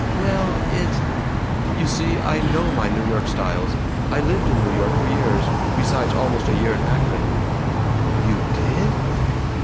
"Well, it " "You see, I know my New York styles. I lived in New York for years, besides almost a year in Akron!" "You did?"